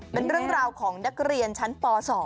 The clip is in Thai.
เป็นเรื่องราวของนักเรียนชั้นป๒